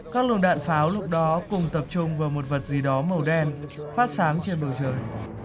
các lùng đạn pháo lúc đó cùng tập trung vào một vật gì đó màu đen phát sáng trên bầu trời